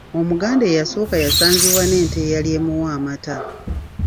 Omuganda eyasooka yasangibwa n’ente eyali emuwa amata.